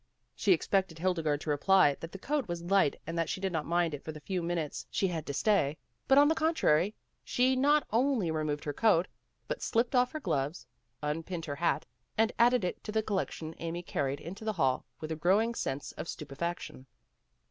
She expected Hildegarde to reply that the coat was light and that she did not mind it for the few minutes she 10 PEGGY RAYMOND'S WAY had to stay ; but on the contrary she not only re moved her coat, but slipped off her gloves, un pinned her hat, and added it to the collection Amy carried into the hall with a growing sense of stupefaction.